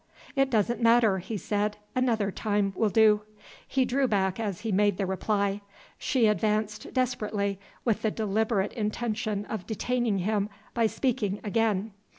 "It doesn't matter," he said. "Another time will do." He drew back as he made the reply. She advanced desperately, with the deliberate intention of detaining him by speaking again.